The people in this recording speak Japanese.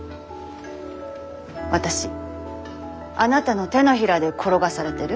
私あなたの手のひらで転がされてる？